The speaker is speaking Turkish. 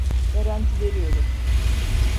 Garanti veriyorum.